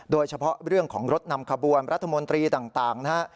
โดยเฉพาะเรื่องของรถนำขบวนรัฐมนตรีต่างนะฮะ